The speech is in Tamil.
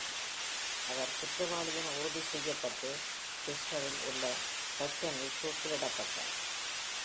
அவர் குற்றவாளி என உறுதி செய்யப்பட்டு செஸ்டரில் உள்ள பாக்டனில் தூக்கிலிடப்பட்டார்.